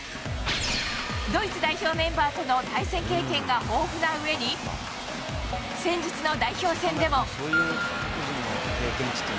ドイツ代表メンバーとの対戦経験が豊富なうえに、先日の代表戦でも。